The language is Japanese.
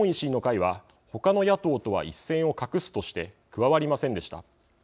日本維新の会は他の野党とは一線を画すとして加わりませんでした。